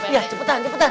iya cepetan cepetan